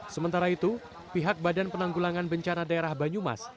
sementara itu pihak badan penanggulangan bencana daerah banyumas